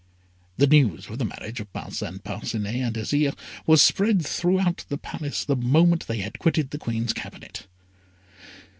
The news of the marriage of Parcin Parcinet and Azire was spread throughout the Palace the moment they had quitted the Queen's cabinet.